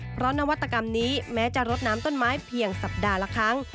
เพราะนวัตกรรมนี้แม้จะรดน้ำต้นไม้เพียงสัปดาห์ละครั้ง